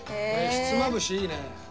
ひつまぶしいいね。